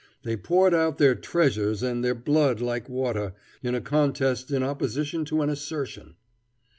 They poured out their treasures and their blood like water, in a contest in opposition to an assertion."